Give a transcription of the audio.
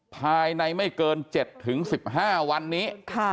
ภายในไม่เกิน๗๑๕วันนี้